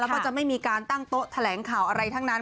แล้วก็จะไม่มีการตั้งโต๊ะแถลงข่าวอะไรทั้งนั้น